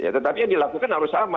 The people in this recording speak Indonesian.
tetapi yang dilakukan harus sama